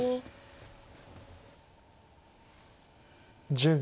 １０秒。